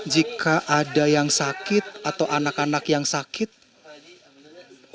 jika ada yang sakit atau anak anak yang sakit apa yang bisa diberikan